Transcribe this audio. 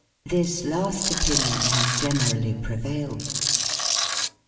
This last opinion has generally prevailed.